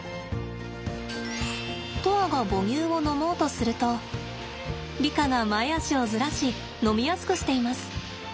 砥愛が母乳を飲もうとするとリカが前肢をずらし飲みやすくしています。